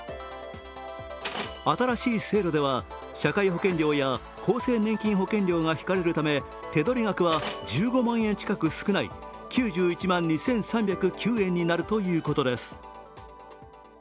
新しい制度では社会保険料や厚生年金保険料が引かれるため手取額は１５万円近く少ない９１万２３０９円になるということです。